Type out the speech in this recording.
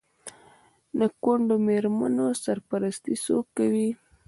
د کونډو میرمنو سرپرستي څوک کوي؟